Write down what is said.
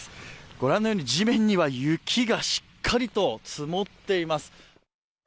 ご覧のように地面には雪がしっかりと積もっています。